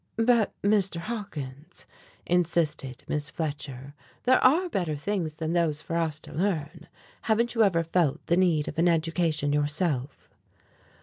"But, Mr. Hawkins," insisted Miss Fletcher, "there are better things than those for us to learn. Haven't you ever felt the need of an education yourself?"